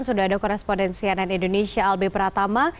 sudah ada korespondensi ann indonesia albi pratama